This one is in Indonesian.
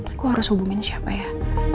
aku harus hubungin siapa ya